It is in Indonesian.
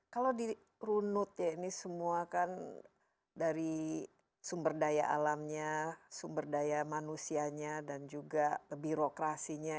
kalau di runut ya ini semua kan dari sumber daya alamnya sumber daya manusianya dan juga birokrasinya